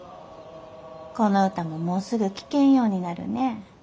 この歌ももうすぐ聴けんようになるね。